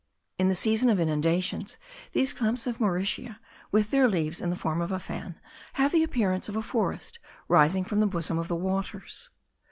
In the season of inundations these clumps of mauritia, with their leaves in the form of a fan, have the appearance of a forest rising from the bosom of the waters.